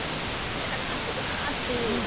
冷たくなってくなっていう。